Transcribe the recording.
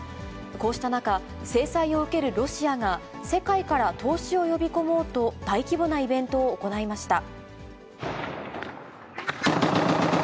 こうした中、制裁を受けるロシアが、世界から投資を呼び込もうと、大規模なイベントを行いました。